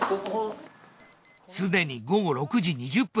すでに午後６時２０分。